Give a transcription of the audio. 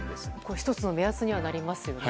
１つの目安にはなりますよね。